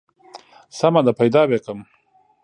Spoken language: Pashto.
سمه ده پيدا به يې کم.